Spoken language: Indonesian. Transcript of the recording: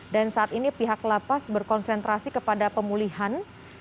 dan saat ini pihak lapas berkonsentrasi kepada pemulihan